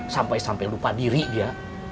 sampai sampai lupa diri dia